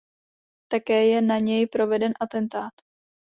Také je na něj proveden atentát.